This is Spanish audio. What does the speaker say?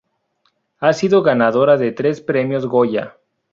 Ha sido ganadora de tres premios Goya.